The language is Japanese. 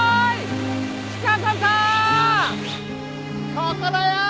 ここだよー！